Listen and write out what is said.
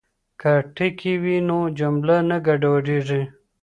که ټکي وي نو جمله نه ګډوډیږي.